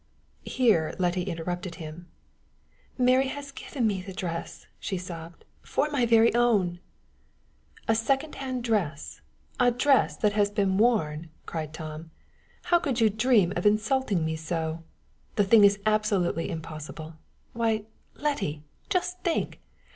Here Letty interrupted him. "Mary has given me the dress," she sobbed, " for my very own." "A second hand dress! A dress that has been worn!" cried Tom. "How could you dream of insulting me so? The thing is absolutely impossible. Why, Letty, just think!